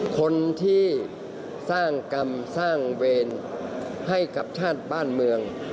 คนที่สร้างกรรมสร้างเวรให้กับชาติบ้านเมือง